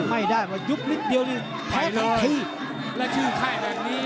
ไม่ได้ว่ายุบนิดเดียวนี่แพ้ทันทีไปเลยแล้วชื่อไข้แบบนี้